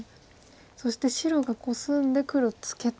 そして白がコスんで黒ツケと。